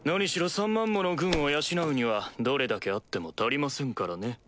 ３万もの軍を養うにはどれだけあっても足りませんからね。